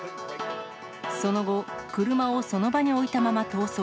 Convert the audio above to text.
その後、車をその場に置いたまま逃走。